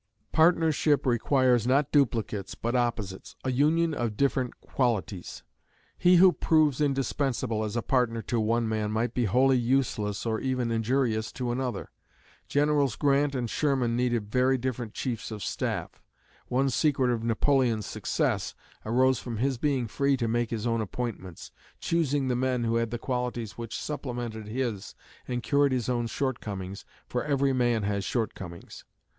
Partnership requires not duplicates, but opposites a union of different qualities. He who proves indispensable as a partner to one man might be wholly useless, or even injurious, to another. Generals Grant and Sherman needed very different chiefs of staff. One secret of Napoleon's success arose from his being free to make his own appointments, choosing the men who had the qualities which supplemented his and cured his own shortcomings, for every man has shortcomings.